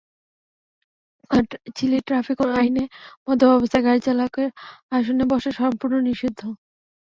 চিলির ট্র্যাফিক আইনে নাকি মদ্যপ অবস্থায় গাড়ির চালকের আসনে বসা সম্পূর্ণ নিষিদ্ধ।